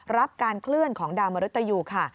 รับการเคลื่อนของดาวมรุตยูค่ะ